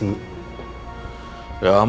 ya mungkin kejebak kejebak